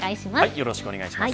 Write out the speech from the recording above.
よろしくお願いします。